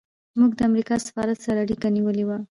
موږ د امریکا سفارت سره اړیکه نیولې وه.